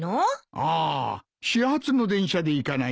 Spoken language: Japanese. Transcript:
ああ始発の電車で行かないとな。